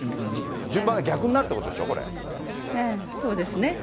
順番が逆になるってことでしょ、ええ、そうですね。